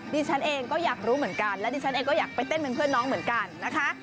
ดิฉันเองก็อยากรู้เหมือนกันและดิฉันเองก็อยากไปเต้นเป็นเพื่อนน้องเหมือนกันนะคะ